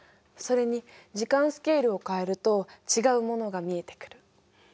それに時間スケールを変えると違うものが見えてくる。